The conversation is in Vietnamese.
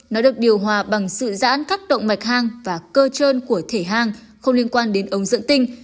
nó được điều hòa bằng sự giãn cách động mạch hang và cơ trơn của thể hang không liên quan đến ống dẫn tinh